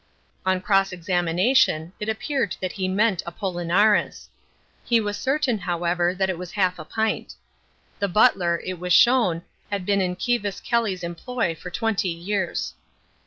On cross examination it appeared that he meant apollinaris. He was certain, however, that it was half a pint. The butler, it was shown, had been in Kivas Kelly's employ for twenty years.